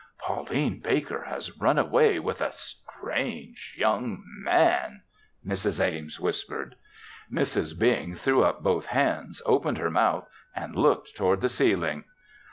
"Pauline Baker has run away with a strange young man," Mrs. Ames whispered. Mrs. Bing threw up both hands, opened her mouth and looked toward the ceiling.